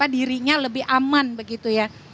dirinya lebih aman begitu ya